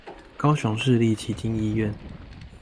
高雄市立旗津醫院